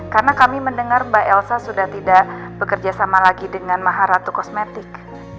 karena kami mendengar mbak elsa sudah tidak bekerja sama lagi dengan maharatu kosmetik